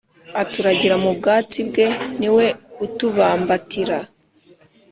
Aturagira mu bwatsi bwe niwe utubambatira